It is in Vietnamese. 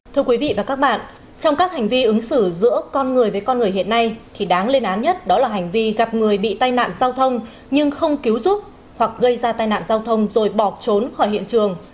thưa quý vị và các bạn trong các hành vi ứng xử giữa con người với con người hiện nay thì đáng lên án nhất đó là hành vi gặp người bị tai nạn giao thông nhưng không cứu giúp hoặc gây ra tai nạn giao thông rồi bỏ trốn khỏi hiện trường